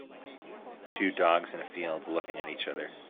Two dogs in a field looking at each other